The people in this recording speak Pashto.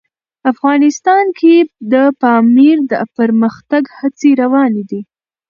افغانستان کې د پامیر د پرمختګ هڅې روانې دي.